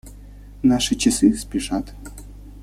Наши часы спешат.